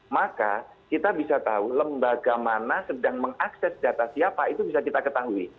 maka kita bisa tahu lembaga mana sedang mengakses data siapa itu bisa kita ketahui